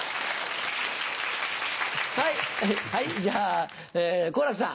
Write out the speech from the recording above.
はいじゃあ好楽さん。